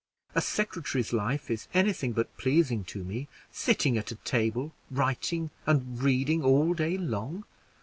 A secretary's life is any thing but pleasing to me, sitting at a table writing and reading all day long.